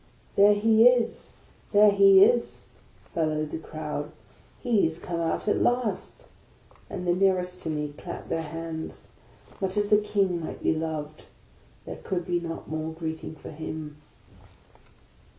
" There he is ! there he is !" bellowed the crowd. " He's come out at last !" and the nearest to me clapped their hands. Much as a king might be loved, there could not be more greet ing for him.